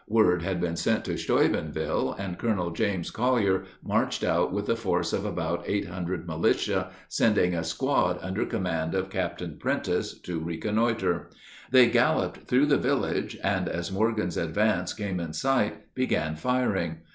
Word had been sent to Steubenville, and Colonel James Collier marched out with a force of about eight hundred militia, sending a squad under command of Captain Prentiss to reconnoiter. They galloped through the village, and as Morgan's advance came in sight began firing.